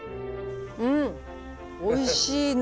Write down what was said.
うんおいしいな。